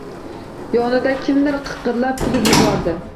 Yonida kimdir qiqirlab kulib yubordi.